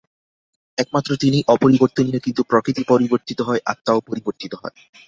একমাত্র তিনিই অপরিবর্তনীয়, কিন্তু প্রকৃতি পরিবর্তিত হয়, আত্মাও পরিবর্তিত হয়।